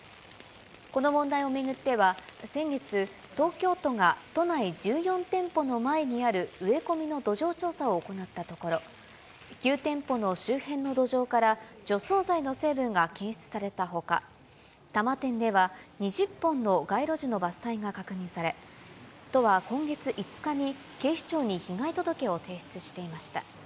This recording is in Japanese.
この問題を巡っては先月、東京都が都内１４店舗の前にある植え込みの土壌調査を行ったところ、９店舗の周辺の土壌から除草剤の成分が検出されたほか、多摩店では２０本の街路樹の伐採が確認され、都は今月５日に、警視庁に被害届を提出していました。